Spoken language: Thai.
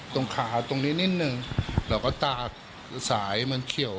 ตรงขาตรงนี้นิดนึงแล้วก็ตากสายมันเขียว